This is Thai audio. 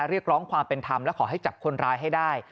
เรียกร้องความเป็นธรรมและขอให้จับคนร้ายให้ได้